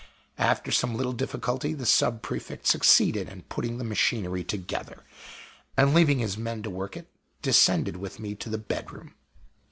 After some little difficulty the Sub prefect succeeded in putting the machinery together, and, leaving his men to work it, descended with me to the bedroom.